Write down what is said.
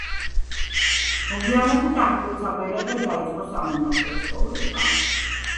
მოგვიანებით აღიკვეცა ბერად და დაიწყო სამონასტრო ცხოვრება.